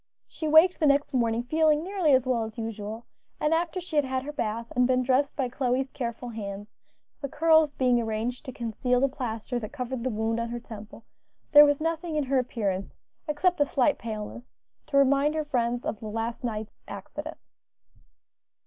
She waked the next morning feeling nearly as well as usual, and after she had had her bath and been dressed by Chloe's careful hands, the curls being arranged to conceal the plaster that covered the wound on her temple, there was nothing in her appearance, except a slight paleness, to remind her friends of the last night's accident.